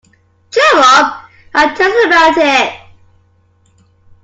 Cheer up, and tell us about it!